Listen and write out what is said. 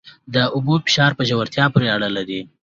د اوبو فشار په ژورتیا پورې اړه لري.